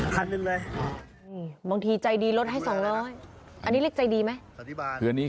บางทีมันลดให้๒๐๐บาทบางทีใจดีลดให้๒๐๐บาทอันนี้เรียกใจดีไหม